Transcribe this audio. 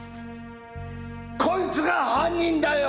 こいつが犯人だよ！